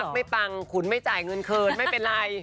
ปังขุนไม่จ่ายเงินคืนไม่เป็นไร